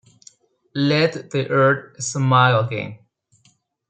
Let the Earth Smile Again!